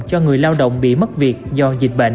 cho người lao động bị mất việc do dịch bệnh